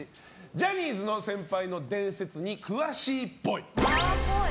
ジャニーズの先輩の伝説に詳しいっぽい。